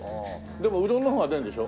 でもうどんの方が出るんでしょ？